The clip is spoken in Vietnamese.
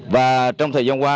và trong thời gian qua